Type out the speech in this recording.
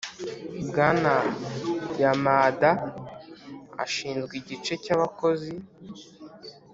bwana yamada ashinzwe igice cyabakozi.